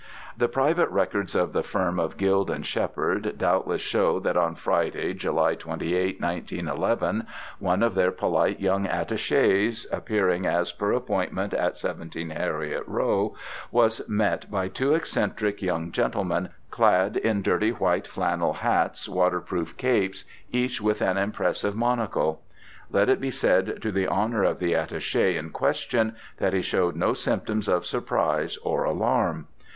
The private records of the firm of Guild and Shepherd doubtless show that on Friday, July 28, 1911, one of their polite young attachés, appearing as per appointment at 17 Heriot Row, was met by two eccentric young gentlemen, clad in dirty white flannel hats, waterproof capes, each with an impressive monocle. Let it be said to the honour of the attaché in question that he showed no symptoms of surprise or alarm.